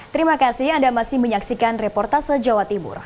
terima kasih anda masih menyaksikan reportase jawa timur